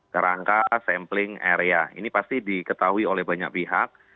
kerangka sampling area ini pasti diketahui oleh banyak pihak